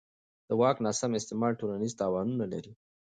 د واک ناسم استعمال ټولنیز تاوانونه لري